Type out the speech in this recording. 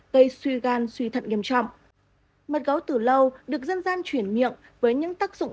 gây suy gan suy thận nghiêm trọng mật gấu từ lâu được dân gian chuyển miệng với những tác dụng